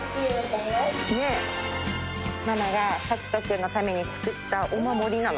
ママが咲翔くんのために作ったお守りなの。